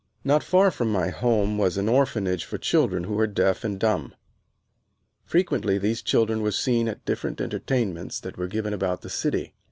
Not far from my home was an orphanage for children who were deaf and dumb. Frequently these children were seen at different entertainments that were given about the city.